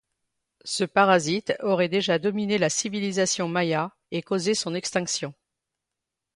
Ce parasite aurait déjà dominé la civilisation maya et causé son extinction.